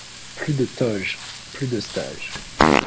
Plus de toge, plus de stage.